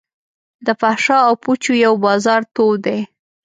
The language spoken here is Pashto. د فحاشا او پوچو یو بازار تود دی.